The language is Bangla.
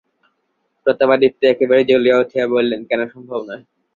প্রতাপাদিত্য একেবারে জ্বলিয়া উঠিয়া বলিলেন, কেন সম্ভব নয়?